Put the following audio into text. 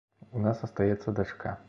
У нас астаецца дачка.